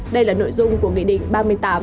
đây là nội dung của nghị định ba mươi tám